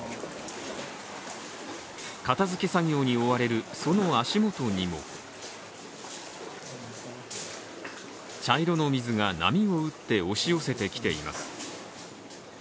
片づけ作業に追われるその足元にも茶色の水が波を打って押し寄せてきています。